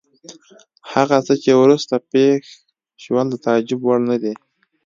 هغه څه چې وروسته پېښ شول د تعجب وړ نه دي.